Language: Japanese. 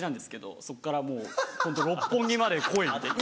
そっからもうホント六本木まで来いって。